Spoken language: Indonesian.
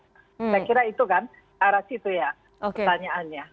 saya kira itu kan arah situ ya pertanyaannya